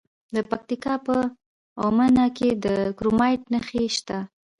د پکتیکا په اومنه کې د کرومایټ نښې شته.